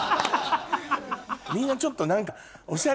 みんなちょっと何か。